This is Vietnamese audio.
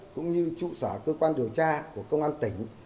cũng như trụ sở cơ quan điều tra của công an tỉnh